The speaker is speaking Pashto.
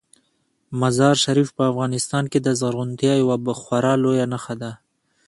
مزارشریف په افغانستان کې د زرغونتیا یوه خورا لویه نښه ده.